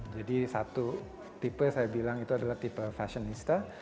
jadi satu tipe yang saya bilang adalah fashionista